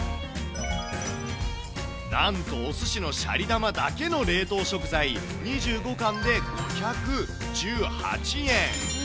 なんと、おすしのシャリ玉だけの冷凍食材、２５貫で５１８円。